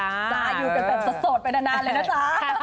จ้าอยู่กันแบบสดไปนานเลยนะจ๊ะ